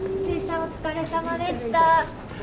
お疲れさまでした。